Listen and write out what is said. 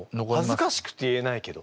恥ずかしくて言えないけど。